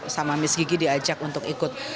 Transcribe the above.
sama miss gigi diajak untuk ikut